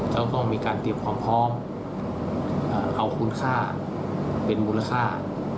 แล้วก็มีการเตรียมความพร้อมเอาคุณค่าเป็นมูลค่า